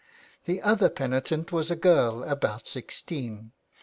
The other penitent was a girl about sixteen.